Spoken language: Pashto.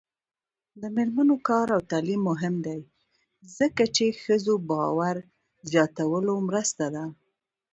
د میرمنو کار او تعلیم مهم دی ځکه چې ښځو باور زیاتولو مرسته ده.